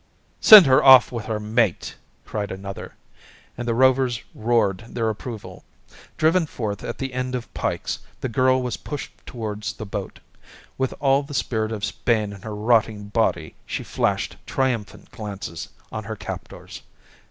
"Send her off with her mate!" cried another, and the Rovers roared their approval. Driven forth at the end of pikes, the girl was pushed towards the boat. With all the spirit of Spain in her rotting body she flashed triumphant glances on her captors.